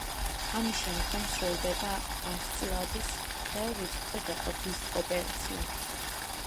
ამის შემდგომ სრულდება ათწილადის მთელ რიცხვზე გაყოფის ოპერაცია.